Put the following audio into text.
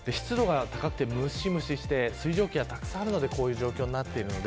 湿度が高くてむしむしして水蒸気がたくさんあるのでこういう状況になっています。